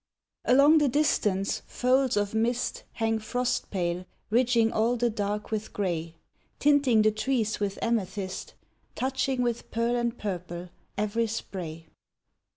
Along the distance, folds of mist Hang frost pale, ridging all the dark with gray; Tinting the trees with amethyst, Touching with pearl and purple every spray.